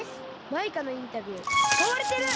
マイカのインタビューつかわれてる！